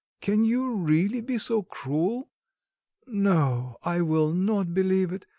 Can you really be so cruel? No, I will not believe it.